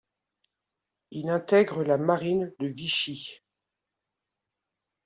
Il intègre la Marine de Vichy.